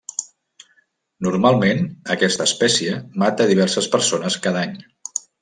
Normalment, aquesta espècie mata diverses persones cada any.